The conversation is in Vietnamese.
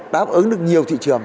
đáp ứng được nhiều thị trường